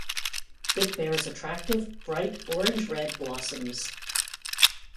It bears attractive bright orange-red blossoms.